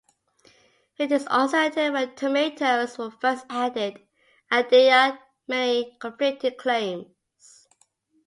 It is uncertain when tomatoes were first added and there are many conflicting claims.